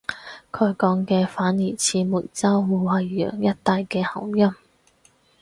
佢講嘅反而似梅州惠陽一帶嘅口音